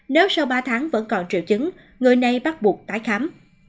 nếu sau ba tháng vẫn còn triệu chứng người này bắt buộc tái khám